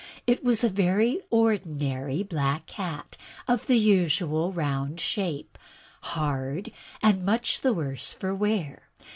It was a very ordinary black hat of the usual rotmd shape, hard, and much the worse for wear.